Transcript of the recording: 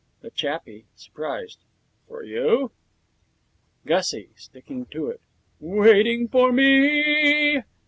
THE CHAPPIE (surprised): For you?' GUSSIE (sticking to it): 'Waiting for me e ee!'